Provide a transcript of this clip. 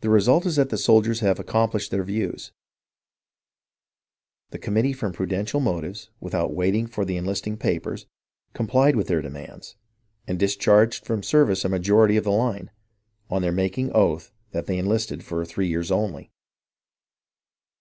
The result is that the soldiers have accomplished their views ; the committee from prudential motives, without waiting for the enlisting papers, complied with their demands, and discharged from service a majority of the line, on their making oath that they enlisted for three years only.